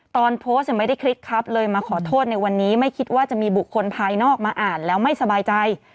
ตอนโพสต์ไม่ได้คลิกครับเลยมาขอโทษในวันนี้ไม่คิดว่าจะมีบุคคลภายนอกมาอ่านแล้วไม่สบายใจ